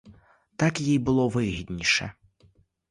Так їй було вигідніше.